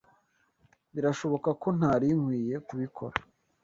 Birashoboka ko ntari nkwiye kubikora.